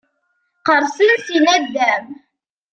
Qqerṣen si naddam.